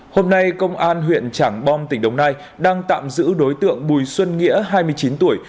hôm nay công an huyện trảng bom tỉnh đồng nai đang tạm giữ đối tượng bùi xuân nghĩa hai mươi chín tuổi